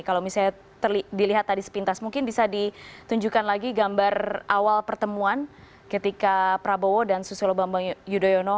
kalau mungkin bisa dilihat lagi agar bisa ditunjukkan akti gambar awal pertemuan ketika prabowo dan suslo bb y